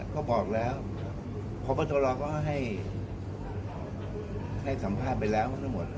ก็บอกแล้วพบตรก็ให้สัมภาษณ์ไปแล้ว